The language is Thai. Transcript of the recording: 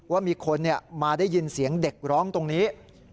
ว่ามีคนมาได้ยินเสียงเด็กร้องตรงนี้